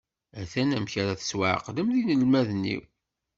Atan amek ara tettwaεeqlem d inelmaden-iw.